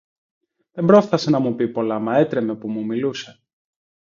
Δεν πρόφθασε να μου πει πολλά, μα έτρεμε που μου μιλούσε.